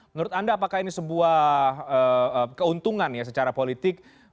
menurut anda apakah ini sebuah keuntungan ya secara politik